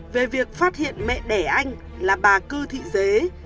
về việc phát hiện mẹ đẻ anh là bà cư thị dế